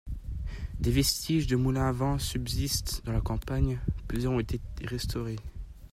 Des vestiges de moulins à vent subsistent dans la campagne, plusieurs ont été restaurés.